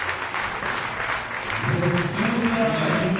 もっちもちだね！